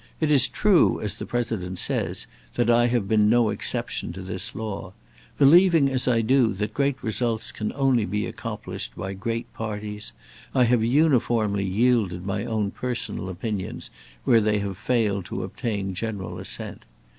It is true, as the President says, that I have been no exception to this law. Believing as I do that great results can only be accomplished by great parties, I have uniformly yielded my own personal opinions where they have failed to obtain general assent.